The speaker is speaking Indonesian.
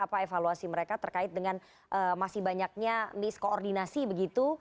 apa evaluasi mereka terkait dengan masih banyaknya miskoordinasi begitu